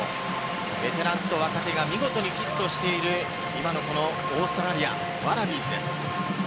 ベテランと若手が見事にフィットしている今のオーストラリア、ワラビーズです。